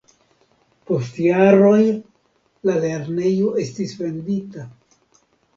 Post jaroj la lernejo estis vendita.